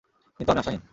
কিন্তু আমি আশাহীন।